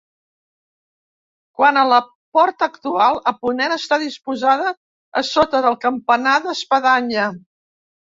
Quant a la porta actual, a ponent, està disposada a sota del campanar d'espadanya.